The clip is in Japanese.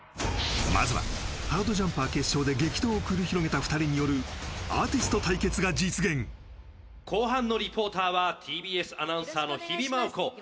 まずはハードジャンパー決勝で激闘を繰り広げた２人によるアーティスト対決が実現後半のリポーターはＴＢＳアナウンサーの日比麻音子